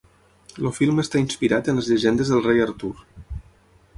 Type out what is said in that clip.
El film està inspirat en les llegendes del rei Artur.